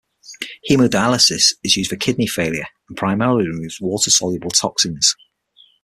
Hemodialysis is used for kidney failure and primarily removes water-soluble toxins.